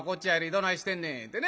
どないしてんねん」言うてね。